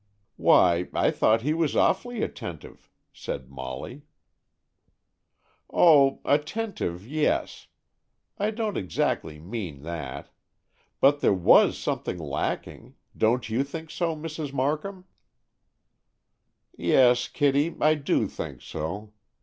"Why, I thought he was awfully attentive," said Molly. "Oh, attentive, yes. I don't exactly mean that. But there was something lacking,—don't you think so, Mrs. Markham?" "Yes, Kitty, I do think so.